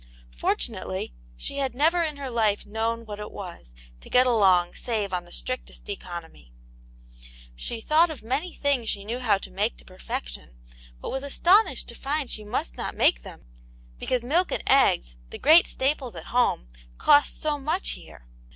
Fortunately, she had never in her life kaov^tv whatitwas to get along save OTv\.\ve ^X.xVcX.e.'sX. Q:cQ^':jr^^ icx> Aunt Janets Hero. She thought of many things she knew how to make to perfection, but was astonished to find she must not make them, because milk and eggs, the great staples at home, cost so much here.